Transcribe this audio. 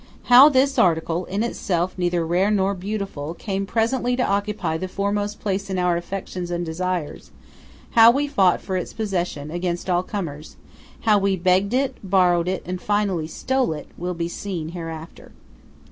How this article, in itself neither rare nor beautiful, came presently to occupy the foremost place in our affections and desires; how we fought for its possession against all comers; how we begged it, borrowed it, and finally stole it, will be seen hereafter.